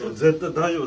大丈夫？